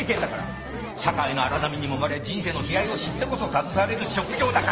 社会の荒波にもまれ人生の悲哀を知ってこそ携われる職業だから！